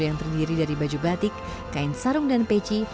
yang terdiri dari baju batik kain sarung dan peci